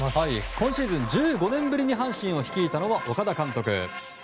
今シーズン、１５年ぶりに阪神を率いた岡田監督。